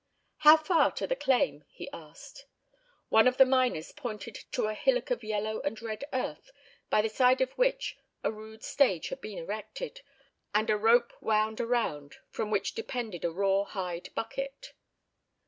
"How far to the claim?" he asked. One of the miners pointed to a hillock of yellow and red earth by the side of which a rude stage had been erected, and a rope wound around, from which depended a raw hide bucket.